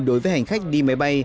đối với hành khách đi máy bay